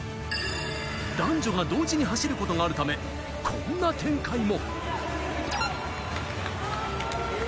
男女が同時に走ることがあるため、こんな展開も。